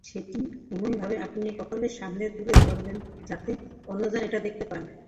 সেটি এমনভাবে আপনি কপালের সামনে তুলে ধরবে, যাতে অন্যজন এটা দেখতে পান।